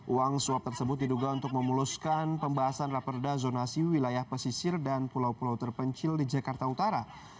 uang suap tersebut diduga untuk memuluskan pembahasan raperda zonasi wilayah pesisir dan pulau pulau terpencil di jakarta utara